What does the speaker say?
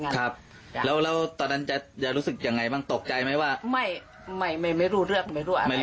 ครับแล้วตอนนั้นจะรู้สึกยังไงบ้างตกใจไหมว่าไม่ไม่รู้เรื่องไม่รู้อะไร